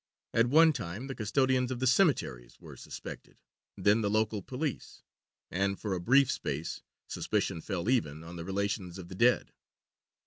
At one time the custodians of the cemeteries were suspected, then the local police, and for a brief space suspicion fell even on the relations of the dead.